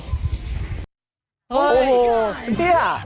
โอ้โฮเป็นเจ๊หะ